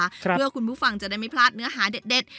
เพื่อคุณผู้ฟังจะได้ไม่พลาดเนื้อหาเด็ด